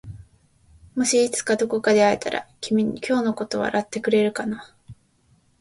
もしいつかどこかで会えたら今日のことを笑ってくれるかな？